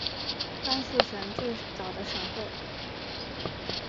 甘肃省最早的省会。